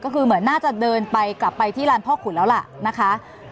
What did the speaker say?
ก็คือเหมือนน่าจะเดินไปกลับไปที่ลานพ่อขุนแล้วล่ะนะคะ